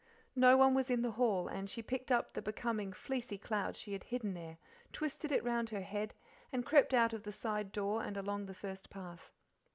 No one was in the hall, and she picked up the becoming, fleecy cloud she had hidden there, twisted it round her head, and crept out of the side door and along the first path.